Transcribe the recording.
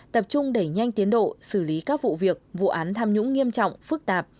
tập trung đẩy nhanh tiến độ xử lý các vụ việc vụ án tham nhũng nghiêm trọng phức tạp